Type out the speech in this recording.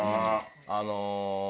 あの。